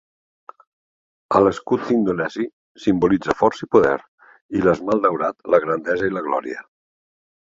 A l'escut indonesi simbolitza força i poder, i l'esmalt daurat, la grandesa i la glòria.